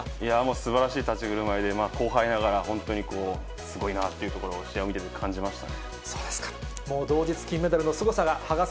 すばらしい立ち居ふるまいで、後輩ながら、本当に、すごいなっていうところを試合を見てて感じましたね。